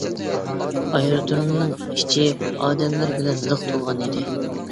ئايرودۇرۇمنىڭ ئىچى ئادەملەر بىلەن لىق تولغان ئىدى.